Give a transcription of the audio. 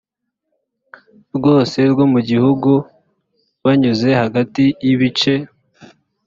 rwose rwo mu gihugu banyuze hagati y ibice